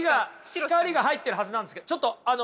光が入ってるはずなんですけどちょっとあの中岡さん。